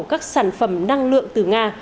các sản phẩm năng lượng từ nga